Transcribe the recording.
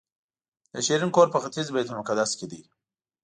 د شیرین کور په ختیځ بیت المقدس کې دی.